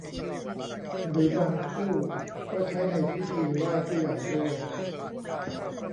หรือบางคู่ก็ใช้ในพิธีไหว้ผู้ใหญ่ด้วย